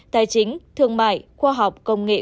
tài chính thương mại khoa học công nghệ